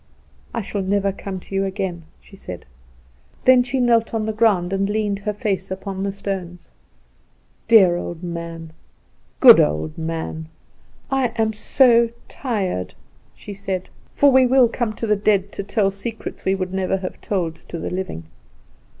"I shall never come to you again," she said. Then she knelt on the ground, and leaned her face upon the stones. "Dear old man, good old man, I am so tired!" she said (for we will come to the dead to tell secrets we would never have told to the living).